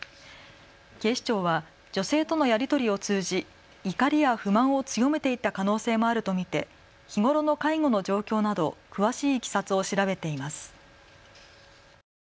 警視庁は女性とのやり取りを通じ怒りや不満を強めていった可能性もあると見て日頃の介護の状況など詳しいいきさつを調べています。